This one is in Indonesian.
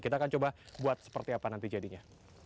kita akan coba buat seperti apa nanti jadinya